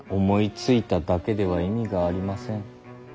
思いついただけでは意味がありません。